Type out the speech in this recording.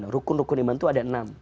rukun rukun iman itu ada enam